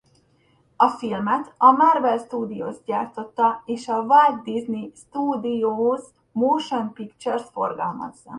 A filmet a Marvel Studios gyártotta és a Walt Disney Studios Motion Pictures forgalmazza.